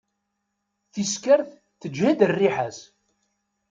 Tiskert teǧhed rriḥa-s.